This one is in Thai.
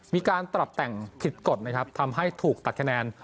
มีการปรับแต่งผิดกฎนะครับทำให้ถูกตัดคะแนน